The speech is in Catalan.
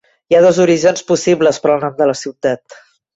Hi ha dos orígens possibles per al nom de la ciutat.